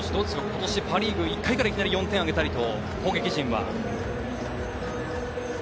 今年パ・リーグ１回からいきなり４点を挙げたりと攻撃陣は。